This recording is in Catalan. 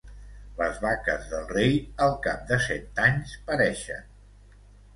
Les vaques del rei, al cap de cent anys pareixen.